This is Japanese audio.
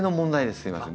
すいません。